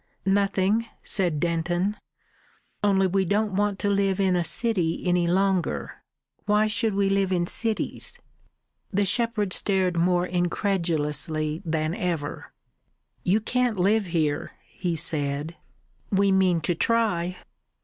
"Nothing," said Denton. "Only we don't want to live in a city any longer. Why should we live in cities?" The shepherd stared more incredulously than ever. "You can't live here," he said. "We mean to try."